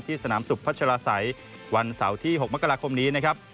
สนามสุขพัชลาศัยวันเสาร์ที่๖มกราคมนี้นะครับ